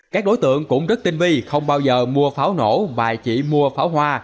các đối tượng cũng rất tinh vi không bao giờ mua pháo nổ và chỉ mua pháo hoa